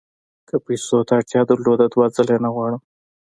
که پیسو ته اړتیا درلوده دوه ځله یې نه غواړم.